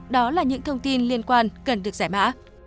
đó là những thông tin liên quan cần được giải mã